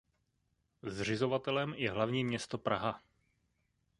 Zřizovatelem je hlavní město Praha.